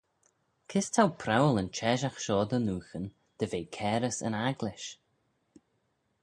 Kys t'ou prowal yn çheshaght shoh dy nooghyn dy ve cairys yn agglish?